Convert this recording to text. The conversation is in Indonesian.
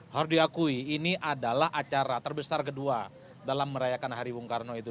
harus diakui ini adalah acara terbesar kedua dalam merayakan hari bung karno itu